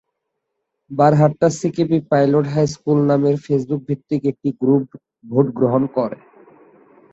Barhatta CKP pilot high school নামের ফেসবুকভিত্তিক একটি গ্রুপ ভোট গ্রহণ করে।